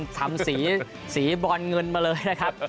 ทำสีบรอนเงินมาเลยนะครับ